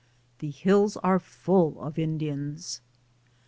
The hills are full of Indians."